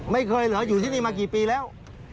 ไม่เคยเหรออยู่ที่นี่มากี่ปีแล้ว